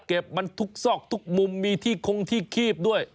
เก็บมันทุกซอกทุกมุมมีที่คงที่คีบด้วย